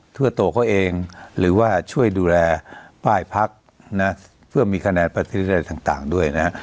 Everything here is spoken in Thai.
เพื่อตัวเขาเองหรือว่าช่วยดูแลป้ายพักนะเพื่อมีคะแนนประเทศอะไรต่างด้วยนะ